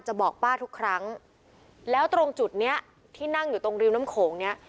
บอกป้าทุกครั้งแล้วตรงจุดเนี้ยที่นั่งอยู่ตรงริมน้ำโขงเนี้ย